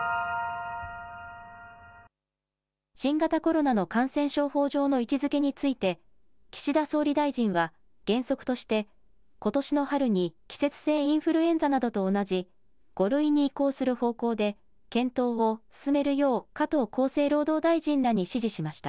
新型コロナの感染症法上の位置づけについて岸田総理大臣は原則として、ことしの春に季節性インフルエンザなどと同じ５類に移行する方向で検討を進めるよう加藤厚生労働大臣らに指示しました。